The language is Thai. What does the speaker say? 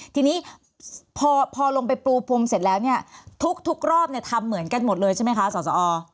ทีนี้พอลงไปปูพรมเสร็จแล้วเนี่ยทุกรอบเนี่ยทำเหมือนกันหมดเลยใช่ไหมคะสอสอ